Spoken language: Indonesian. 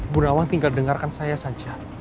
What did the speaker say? bu nawang tinggal dengarkan saya saja